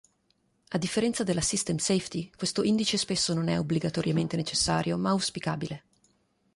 A differenza della system safety questo indice spesso non è obbligatoriamente necessario ma auspicabile.